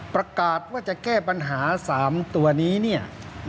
ประกาศว่าจะแก้ปัญหา๓ตัวนี้เนี่ย